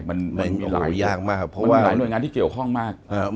มันมีหลายหน่วยงานที่เกี่ยวข้องมาก